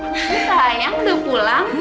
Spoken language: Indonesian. sayang udah pulang